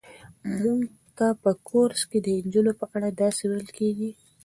موږ ته په کورس کې د نجونو په اړه داسې ویل کېږي.